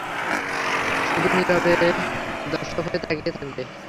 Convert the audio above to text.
শুধু নীরবে দর্শক হয়ে তাকিয়ে থাকবে।